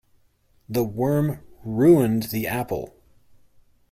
The worm ruined the apple.